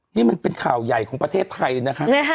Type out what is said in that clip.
นี่มันเป็นข่าวใหญ่ของประเทศไทยนะคะ